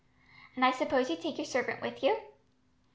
"And I suppose you take your servant with you?"